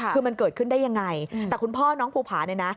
คือมันเกิดขึ้นได้ยังไงแต่คุณพ่อน้องภูผาเนี่ยนะ